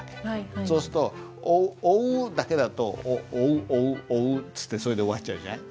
そうすると「追う」だけだと「追う追う追う」っつってそれで終わっちゃうじゃない。